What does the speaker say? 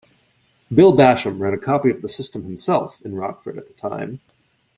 Bill Basham ran a copy of the system himself in Rockford at the time.